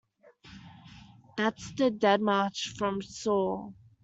That's the Dead March from 'Saul'.